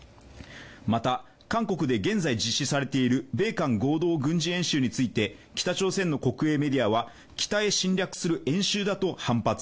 また、韓国で現在実施されている米韓合同軍事演習について北朝鮮の国営メディアは北へ侵略する演習だと反発